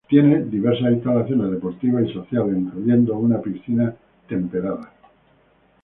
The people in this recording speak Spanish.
Tiene diversas instalaciones deportivas y sociales incluyendo una piscina temperada.